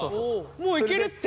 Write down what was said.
もういけるって。